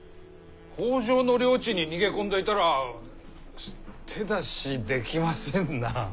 北条の領地に逃げ込んでいたら手出しできませんな。